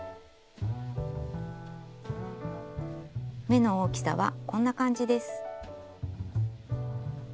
目の大きさはこんな感じです。